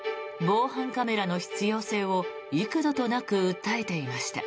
防犯カメラの必要性を幾度となく訴えていました。